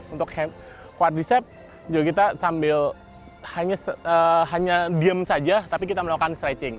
untuk quardicept juga kita sambil hanya diem saja tapi kita melakukan stretching